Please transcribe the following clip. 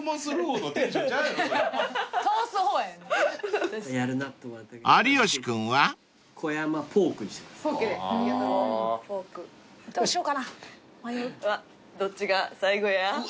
うわどっちが最後や？